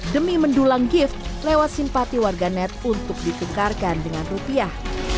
demi mendulang gift lewat simpati warga net untuk ditukarkan dengan rupiah